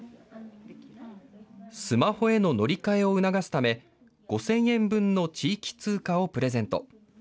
スマホへの乗り換えを促すため、５０００円分の地域通貨をプレゼント。